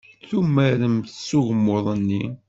Tumaremt s ugmuḍ-nni.